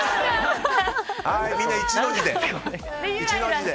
みんな、１の字で。